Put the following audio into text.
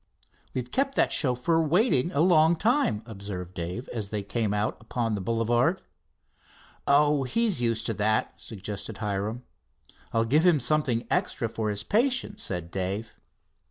"We've kept that chauffeur waiting a long time," observed Dave, as they came out upon the boulevard. "Oh, he's used to that," suggested Hiram. "I'll give him something extra for his patience," said Dave.